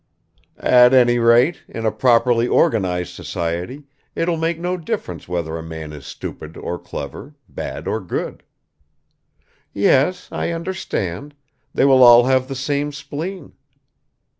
"At any rate, in a properly organized society it will make no difference whether a man is stupid or clever, bad or good." "Yes, I understand. They will all have the same spleen."